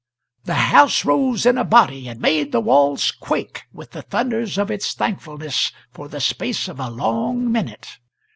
The house rose in a body and made the walls quake with the thunders of its thankfulness for the space of a long minute.